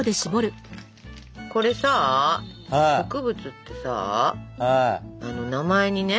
これさ植物ってさ名前にね